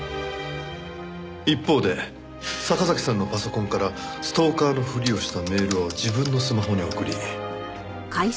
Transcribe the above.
一方で坂崎さんのパソコンからストーカーのふりをしたメールを自分のスマホに送り。